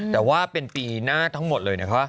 แต่ว่าเป็นปีหน้าทั้งหมดเลยนะคะ